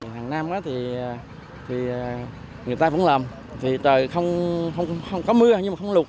hàng năm thì người ta vẫn làm vì không có mưa nhưng mà không lụt